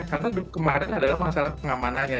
karena kemarin adalah masalah pengamanannya